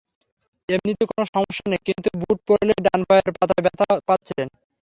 এমনিতে কোনো সমস্যা নেই, কিন্তু বুট পরলেই ডান পায়ের পাতায় ব্যথা পাচ্ছিলেন।